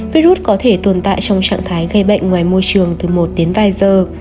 virus có thể tồn tại trong trạng thái gây bệnh ngoài môi trường từ một đến vài giờ